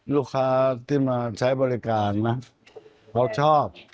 ลูกค้าที่มาใช้บริการนะเขาชอบ